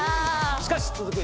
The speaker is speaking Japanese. しかし続く